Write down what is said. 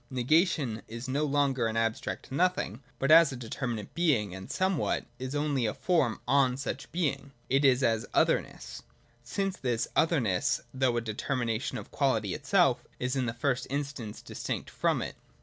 [ Negation is no longer an abstract nothing, but, as a determinate being and somewhat, is only a form on such being — it is as Other nessj Since this otherness, though a determination of Quality itself, is in the first instance distinct from it.